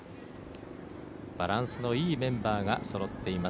バランスのいいメンバーがそろっています。